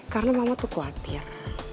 karena mama tuh khawatir